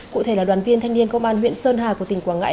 cụ thể là đoàn viên thanh niên công an huyện sơn hà của tỉnh quảng ngãi